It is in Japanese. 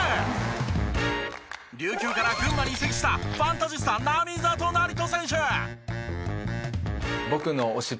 琉球から群馬に移籍したファンタジスタ並里成選手。